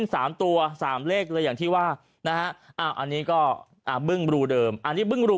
สามเลขเลยอย่างที่ว่านะอันนี้ก็บึ้งบรูเดิมอันนี้บึ้งบรู